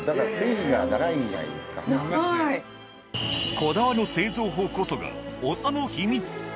こだわりの製造法こそがおいしさの秘密！